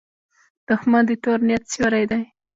دښمن د تور نیت سیوری دی